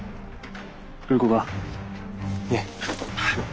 はい。